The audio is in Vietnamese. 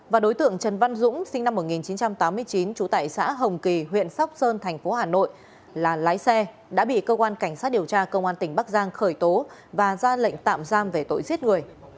và đối tượng trần văn dũng sinh năm một nghìn chín trăm tám mươi chín trú tại xã hồng kỳ huyện sóc sơn thành phố hà nội là lái xe đã bị cơ quan cảnh sát điều tra công an tỉnh bắc giang khởi tố và ra lệnh tạm giam về tội giết người